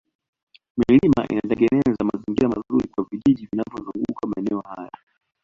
milima inatengeneza mazingira mazuri kwa vijiji vinavyozunguka maeneo hayo